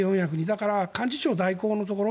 だから幹事長代行のところ